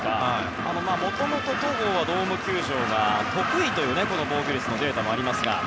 もともと戸郷はドーム球場が得意という防御率のデータもありますが。